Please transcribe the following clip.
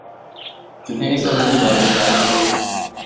کیونکہ اس عمل کے بڑے ٹارگٹ وہی ہیں۔